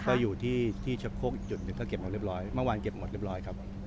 ใช่ครับก็อยู่ที่เฉพาะโค้กจุดหนึ่งก็เก็บออกเรียบร้อยเมื่อวานเก็บหมดเรียบร้อยครับ